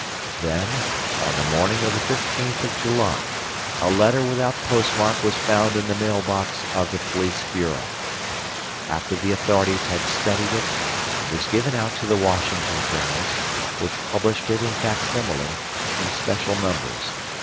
Then on the morning of the fifteenth of July, a letter without postmark was found in the mailbox of the police bureau. After the authorities had studied it, it was given out to the Washington journals, which published it in facsimile, in special numbers.